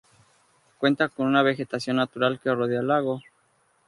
Cuenta con una vegetación natural que rodea el lago.